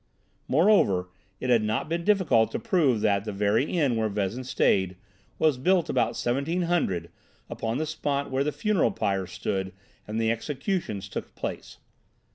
Moreover, it had not been difficult to prove that the very inn where Vezin stayed was built about 1700 upon the spot where the funeral pyres stood and the executions took place.